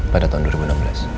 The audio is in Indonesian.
pada tahun dua ribu enam belas